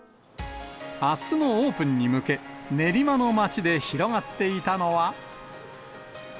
あすのオープンに向け、練馬の街で広がっていたのは。